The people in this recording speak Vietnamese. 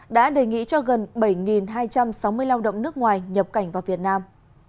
đã đề nghị cho gần bảy hai trăm sáu mươi lao động nước ngoài nhập cảnh vào việt nam